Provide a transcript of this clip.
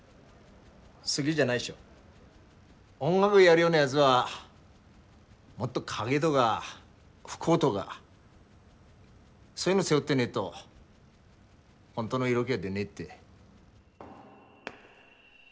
音楽やるようなやづはもっと影とか不幸とかそういうの背負ってねえと本当の色気は出ねえって。